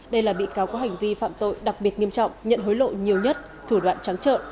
đây là bị cáo có hành vi phạm tội đặc biệt nghiêm trọng nhận hối lộ nhiều nhất thủ đoạn trắng trợ